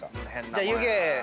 じゃあ湯気。